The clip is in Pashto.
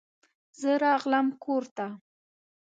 زه راغلم کور ته.